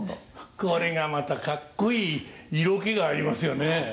これがまたかっこいい色気がありますよね。